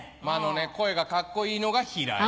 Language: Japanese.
声がカッコいいのが平井。